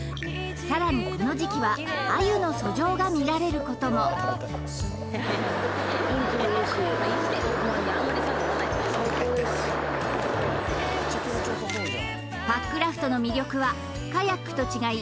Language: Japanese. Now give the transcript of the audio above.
さらにこの時期は鮎の遡上が見られることもパックラフトの魅力はカヤックと違い